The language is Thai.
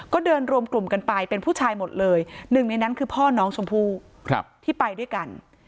ก็เดินรวมกลุ่มกันไปเป็นผู้ชายหมดเลยหนึ่งในนั้นคือพ่อน้องชมพู่ที่ไปด้วยกัน